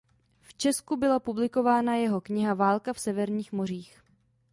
V Česku byla publikována jeho kniha "Válka v severních mořích".